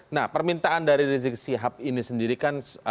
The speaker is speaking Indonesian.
nah permintaan dari rizik sihab ini sendiri kan